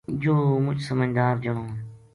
یوہ مچ سمجھدار جنو ہے‘‘